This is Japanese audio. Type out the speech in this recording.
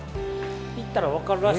行ったら分かるらしい。